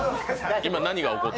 今、何が起こった？